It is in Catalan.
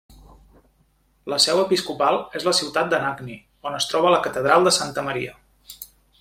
La seu episcopal és la ciutat d'Anagni, on es troba la catedral de Santa Maria.